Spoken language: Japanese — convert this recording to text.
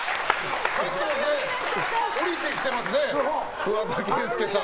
下りてきてますね桑田佳祐さんが。